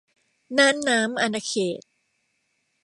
น่านน้ำอาณาเขต